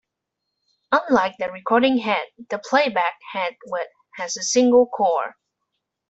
Unlike the recording head, the playback head has a single core.